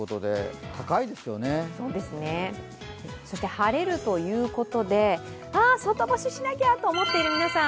晴れるということで、外干ししなきゃと思っている皆さん